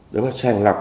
được sàn lập